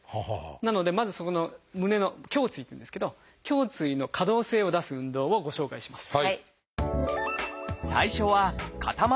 なのでまずそこの胸の「胸椎」っていうんですけど胸椎の可動性を出す運動をご紹介します。